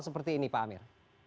seperti ini pak amir